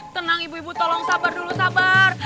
tenang ibu ibu tolong sabar dulu sabar